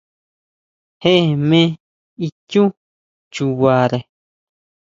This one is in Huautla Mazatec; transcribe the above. Jee me ichú chubare.